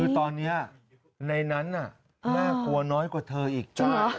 คือตอนนี้ในนั้นน่ากลัวน้อยกว่าเธออีกจ้ะ